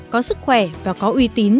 có sức khỏe và có uy tín